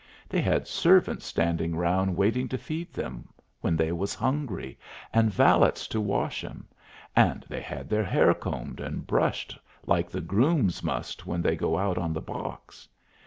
They had servants standing round waiting to feed 'em when they was hungry, and valets to wash 'em; and they had their hair combed and brushed like the grooms must when they go out on the box.